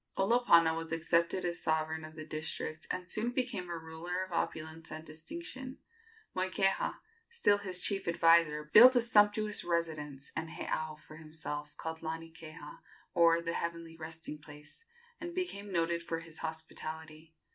Olopana was accepted as sovereign of the district, and soon became a ruler of opulence and distinction. Moikeha, still his chief adviser, built a sumptuous residence and heiau for himself, called Lanikeha, or "the heavenly resting place," and became noted for his hospitality.